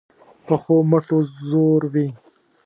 پخو مټو زور وي